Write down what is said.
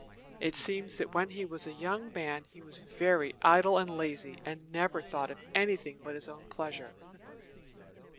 It seems that when he was a young man he was very idle and lazy, and never thought of anything but his own pleasure.